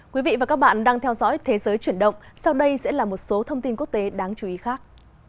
quý vị và các bạn đang theo dõi thế giới chuyển động sau đây sẽ là một số thông tin quốc tế đáng chú ý khác